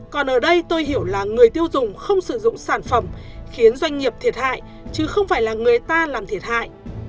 còn ở đây tôi hiểu là người tiêu dùng không sử dụng sản phẩm khiến doanh nghiệp thiệt hại chứ không phải là người ta làm thiệt hại